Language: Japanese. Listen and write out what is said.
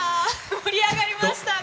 盛り上がりましたね。